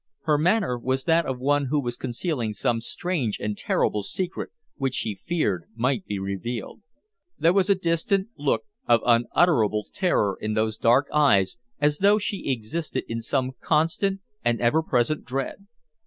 Her manner was that of one who was concealing some strange and terrible secret which she feared might be revealed. There was a distant look of unutterable terror in those dark eyes as though she existed in some constant and ever present dread.